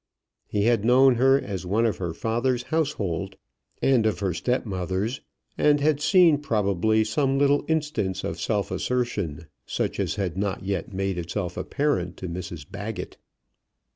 He had known her as one of her father's household, and of her step mother's; and had seen probably some little instance of self assertion, such as had not yet made itself apparent to Mrs Baggett.